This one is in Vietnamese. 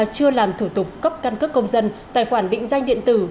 chưa làm thủ tục cấp căn cước công dân tài khoản định danh điện tử